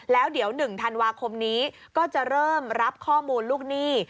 แล้วเดี๋ยว๑ธันวาคมนี้ก็จะเริ่มรับข้อมูลลูกหนี้